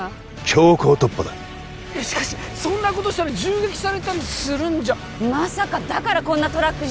強行突破だいやしかしそんなことしたら銃撃されたりするんじゃまさかだからこんなトラックに！？